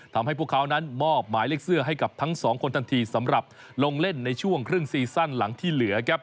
ทำให้พวกเขานั้นมอบหมายเลขเสื้อให้กับทั้งสองคนทันทีสำหรับลงเล่นในช่วงครึ่งซีซั่นหลังที่เหลือครับ